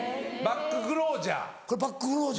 バッグ・クロージャー。